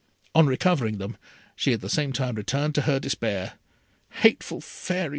On recovering them, she at the same time returned to her despair. "Hateful Fairy!"